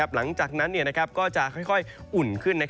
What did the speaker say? หลังจากนั้นก็จะค่อยอุ่นขึ้น